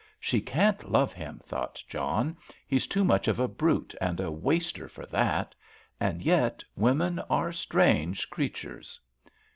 "She can't love him," thought John; "he's too much of a brute and a waster for that. And yet women are strange creatures."